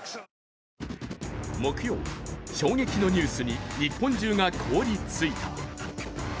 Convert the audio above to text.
木曜、衝撃のニュースに日本中が凍り付いた。